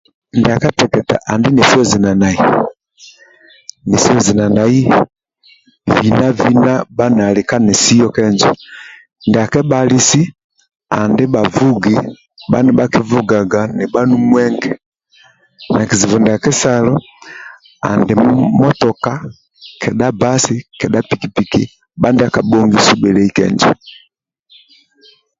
Ndiakateketa adi nesiyo zinanai bina bina bha nali kanesiyo kenjo ndia kebhali si adi bha fugi bha nibha kifugaga nibhanu mwenge kizibu ndia kesalo adi motoka kedha basi kedha pikipiki bha ndia kabhongi subhelei kenjo